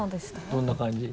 どんな感じ？